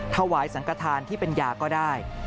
ถวายสังกฐานที่เป็นยาก็ได้